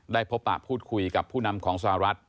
พบปะพูดคุยกับผู้นำของสหรัฐ